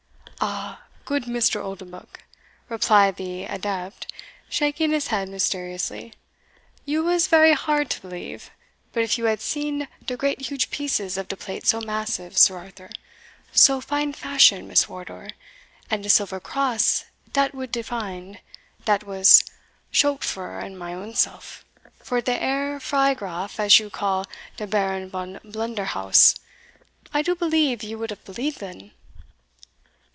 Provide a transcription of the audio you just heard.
"Ah! goot Mr. Oldenbuck," replied the adept, shaking his head mysteriously, "you was very hard to believe; but if you had seen de great huge pieces of de plate so massive, Sir Arthur, so fine fashion, Miss Wardour and de silver cross dat we did find (dat was Schroepfer and my ownself) for de Herr Freygraf, as you call de Baron Von Blunderhaus, I do believe you would have believed then."